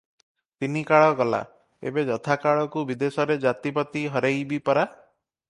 ତିନି କାଳ ଗଲା, ଏବେ ଯଥାକାଳକୁ ବିଦେଶରେ ଜାତିପତି ହରେଇବି ପରା?